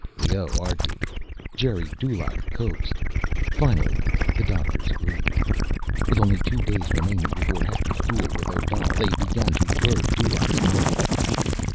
Leoh argued, Geri Dulaq coaxed. Finally the doctors agreed. With only two days remaining before Hector's duel with Odal, they began to probe Dulaq's mind.